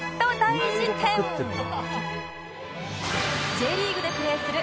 Ｊ リーグでプレーする